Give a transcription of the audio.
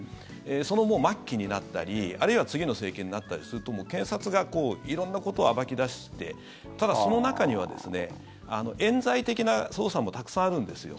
その末期になったりあるいは次の政権になったりすると検察が色んなことを暴き出してただ、その中にはえん罪的な捜査もたくさんあるんですよ。